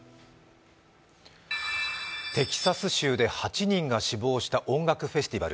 テキサス州が８人が死亡した音楽フェスティバル。